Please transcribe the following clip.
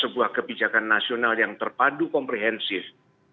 sebuah kebijakan nasional yang terpadu komprehensif